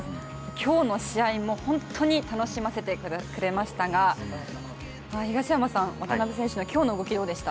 今日の試合も本当に楽しませてくれましたが東山さん、渡邊選手の今日の動きどうでした？